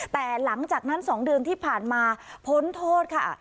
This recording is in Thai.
แต่หลังจากนั้น๒เดือนที่ผ่านมาพ้นโทษค่ะ